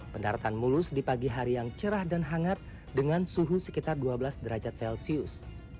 pendaratan mulus di pagi hari yang cerah dan hangat dengan suhu sekitar dua belas derajat celcius